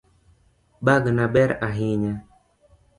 Bagna ber ahinya